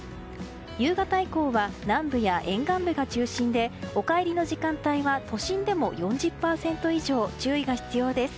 夕方以降は南部や沿岸部が中心でお帰りの時間帯は都心でも４０％以上注意が必要です。